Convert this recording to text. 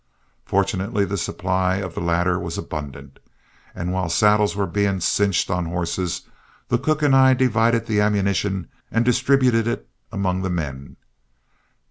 Fortunately the supply of the latter was abundant, and while saddles were being cinched on horses, the cook and I divided the ammunition and distributed it among the men.